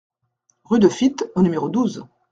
Rue de Fitte au numéro douze